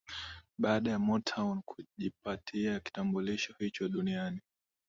Baada ya Motown kujipatia kitambulisho hicho duniani